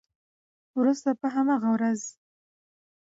وروسته په همغه ورځ